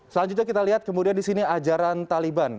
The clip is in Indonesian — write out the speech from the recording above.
selanjutnya kita lihat kemudian di sini ajaran taliban